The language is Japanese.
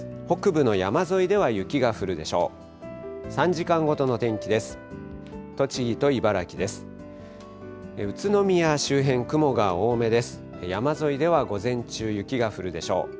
北部の山沿いでは雪が降るでしょう。